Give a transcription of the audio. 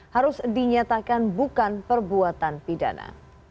harus dinyatakan bukan perbuatan pidana